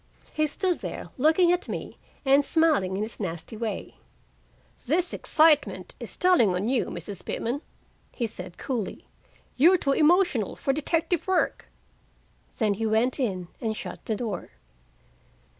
He stood there looking at me and smiling in his nasty way. "This excitement is telling on you, Mrs. Pitman," he said coolly. "You're too emotional for detective work." Then he went in and shut the door.